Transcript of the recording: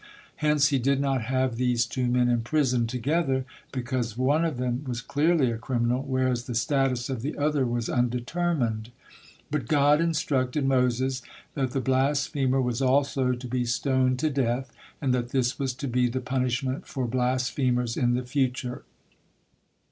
Hence he did not have these two men imprisoned together, because one of them was clearly a criminal, whereas the status of the other was undetermined. But God instructed Moses that the blasphemer was also to be stoned to death, and that this was to be the punishment for blasphemers in the future.